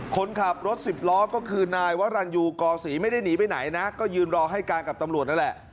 คนขับรถสิบล้อก็คือนายวรรณยูกอศรีไม่ได้หนีไปไหนนะก็ยืนรอให้การกับตำรวจนั่นแหละ